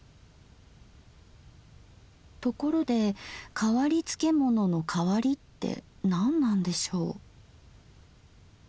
ところで変わり漬物の「変わり」って何なんでしょう？